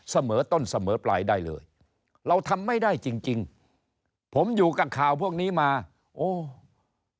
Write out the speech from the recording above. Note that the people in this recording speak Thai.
เสมอต้นเสมอปลายได้เลยเราทำไม่ได้จริงจริงผมอยู่กับข่าวพวกนี้มาโอ้